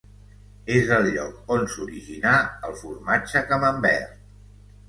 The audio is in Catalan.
És el lloc on s'originà el formatge camembert.